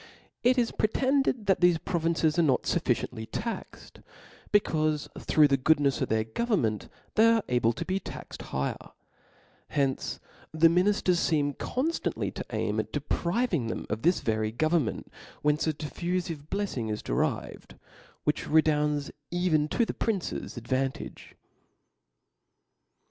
It is pretended that thcfe provinces are not fufficiently taxed, becaufe through the goodnefs of their government they arc able to be taxed higher: hence the minifters feem con ftantly to aim at depriving them of this very go vernment, from whence a diflfufive blefling is de rived, which redounds even to the prince's ad* vantage.